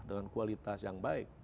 dengan kualitas yang baik